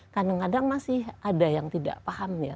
kadang kadang masih ada yang tidak paham ya